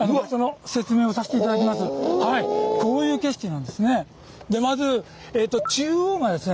こういう景色なんですね。